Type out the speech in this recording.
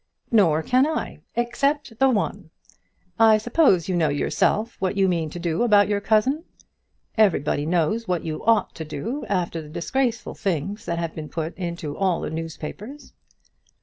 "Nor can I except the one. I suppose you know yourself what you mean to do about your cousin. Everybody knows what you ought to do after the disgraceful things that have been put into all the newspapers."